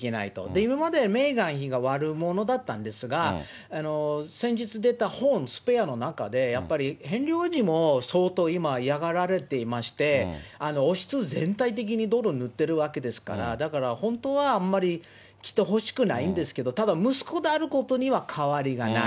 今までメーガン妃が悪者だったんですが、先日出た本、スペアの中でやっぱりヘンリー王子も、相当今、嫌がられてまして、王室全体的に泥塗ってるわけですから、だから本当はあんまり来てほしくないんですけど、ただ、息子であることには変わりがない。